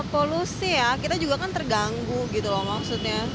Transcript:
polusi ya kita juga kan terganggu gitu loh maksudnya